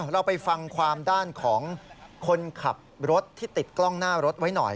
เราไปฟังความด้านของคนขับรถที่ติดกล้องหน้ารถไว้หน่อย